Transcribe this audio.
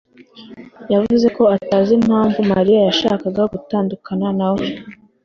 yavuze ko atazi impamvu Mariya yashakaga gutandukana na we.